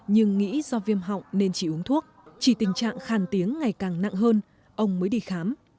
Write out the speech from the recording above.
nhưng nghĩ do viêm họng nên chỉ uống thuốc chỉ tình trạng khàn tiếng ngày càng nặng hơn ông mới đi khám